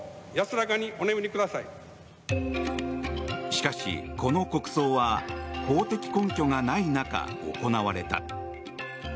しかし、この国葬は法的根拠がない中、行われた。